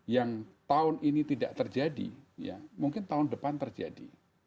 yang tahun ini tidak terjadi mungkin tahun depan terjadi